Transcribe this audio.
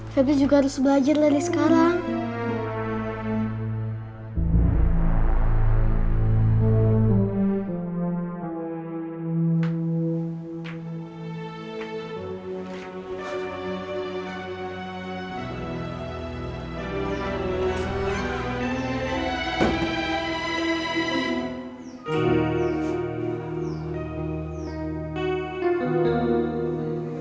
febly juga harus belajar dari sekarang